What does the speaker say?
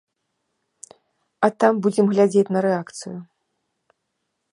А там будзем глядзець на рэакцыю.